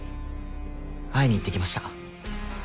会いに行ってきましたが。